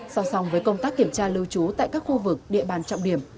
song song với công tác kiểm tra lưu trú tại các khu vực địa bàn trọng điểm